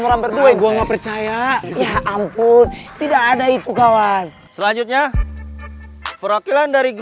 sampai jumpa di video selanjutnya